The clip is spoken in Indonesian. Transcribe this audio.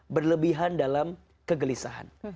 berlebihan dalam kegelisahan